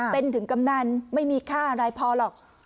เป็นถึงกำนันไม่มีค่าอะไรพอหรอก